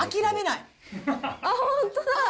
あ、本当だ。